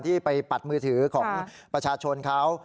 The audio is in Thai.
ที่ไปปัดมือถือของประชาชนเขา